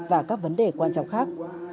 và các vấn đề quan trọng khác